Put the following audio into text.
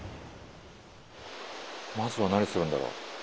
まずは何するんだろう？